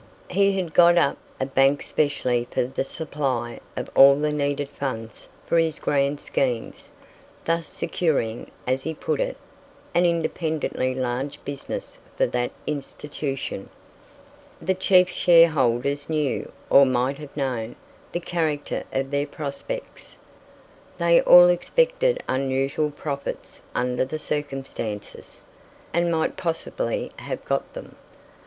He had got up a bank specially for the supply of all the needed funds for his grand schemes, thus securing, as he put it, an independently large business for that institution. The chief shareholders knew, or might have known, the character of their prospects. They all expected unusual profits under the circumstances, and might possibly have got them.